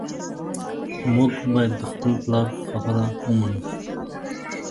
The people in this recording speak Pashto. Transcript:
موږ باید د خپل پلار خبره ومنو